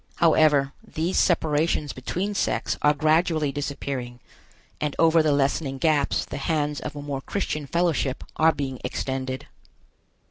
However, these separations between sects are gradually disappearing, and over the lessening gaps the hands of a more Christian fellowship are being extended.